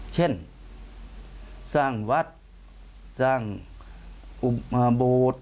เช่นสร้างวัดสร้างโบสถ์